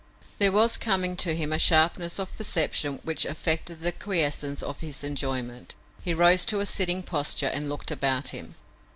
There was coming to him a sharpness of perception which affected the quiescence of his enjoyment. He rose to a sitting posture and looked about him.